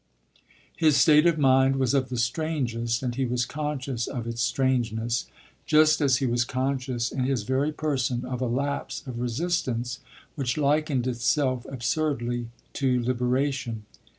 His state of mind was of the strangest and he was conscious of its strangeness, just as he was conscious in his very person of a lapse of resistance which likened itself absurdly to liberation.